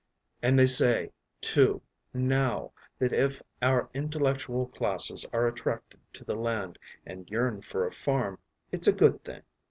And they say, too, now, that if our intellectual classes are attracted to the land and yearn for a farm, it’s a good thing.